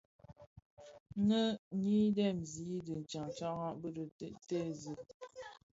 Nnë nyi dhesen le tyantyaran a dhi tèèzi.